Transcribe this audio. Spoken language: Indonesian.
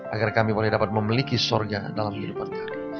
agar kami boleh dapat memiliki sorga dalam kehidupan kami